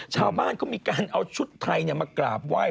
ชาวบ้านเขามีการเอาชุดไทยมากราบไหว้